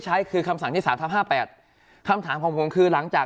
ใช้คือคำสั่งที่สามทับห้าแปดคำถามของผมคือหลังจาก